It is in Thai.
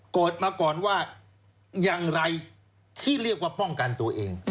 มาก่อนว่าอย่างไรที่เรียกว่าป้องกันตัวเอง